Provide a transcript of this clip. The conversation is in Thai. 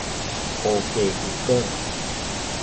โอเคกูเกิล